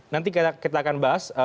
nanti kita akan bahas